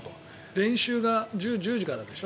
練習が１０時からでしょ。